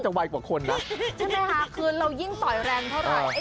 ใช่ไหมฮะคือเรายิ่งต่อยแรงเท่าไร